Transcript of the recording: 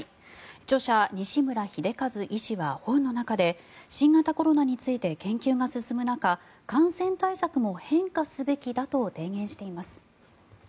著者・西村秀一医師は本の中で新型コロナについて研究が進む中感染対策も変化すべきだと提言しています。